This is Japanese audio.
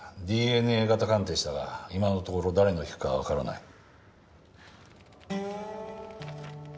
いやＤＮＡ型鑑定したが今のところ誰の皮膚かはわからない。